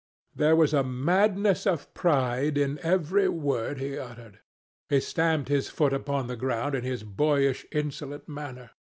There was the madness of pride in every word he uttered. He stamped his foot upon the ground in his boyish insolent manner.